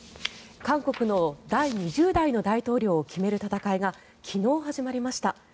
韓国の第２０代の大統領を決める戦いが昨日始まりました。